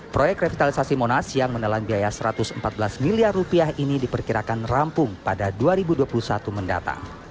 proyek revitalisasi monas yang menelan biaya rp satu ratus empat belas miliar rupiah ini diperkirakan rampung pada dua ribu dua puluh satu mendatang